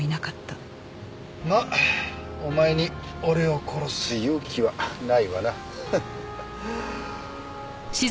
まあお前に俺を殺す勇気はないわな。